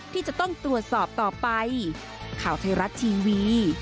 ที่จะต้องตรวจสอบต่อไป